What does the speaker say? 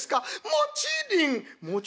「もちりん？